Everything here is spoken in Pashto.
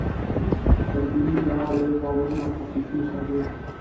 تر دیني ادعاوو، باورونو او کړکېچونو سربېره.